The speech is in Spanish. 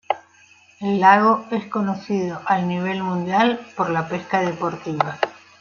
El lago es conocido al nivel mundial por la pesca deportiva.